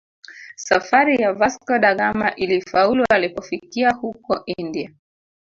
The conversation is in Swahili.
Safari ya Vasco da Gama ilifaulu alipofikia huko India